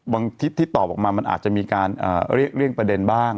บางทิศที่ตอบออกมามันอาจจะมีการอ่าเรียกเรื่องประเด็นบ้าง